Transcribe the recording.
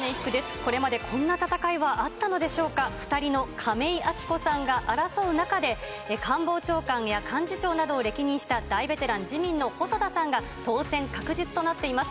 これまでこんな戦いはあったのでしょうか、２人のかめいあきこさんが争う中で、官房長官や幹事長などを歴任した大ベテラン、自民の細田さんが、当選確実となっています。